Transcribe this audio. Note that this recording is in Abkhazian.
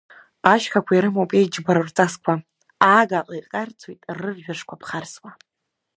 Ашьхақәа ирымоуп иџьбароу рҵасқәа, Агаҟа икарцоит рырҩашқәа ԥхарсуа.